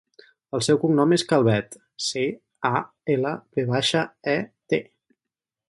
El seu cognom és Calvet: ce, a, ela, ve baixa, e, te.